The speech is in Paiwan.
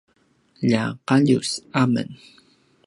lja Qalius a men